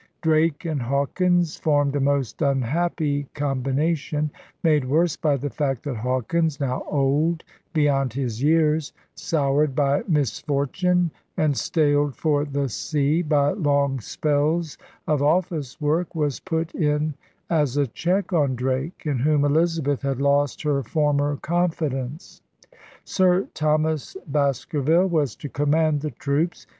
Drake and Hawkins formed a most unhappy combination, made worse by the fact that Hawkins, now old beyond his years, soured by misfortune, and staled for the sea by long spells of office work, was put in as a check on Drake, in whom Elizabeth had lost her former confidence. Sir Thomas Baskerville was to command the troops.